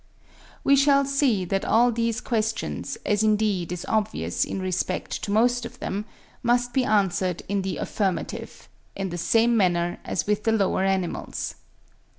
We shall see that all these questions, as indeed is obvious in respect to most of them, must be answered in the affirmative, in the same manner as with the lower animals.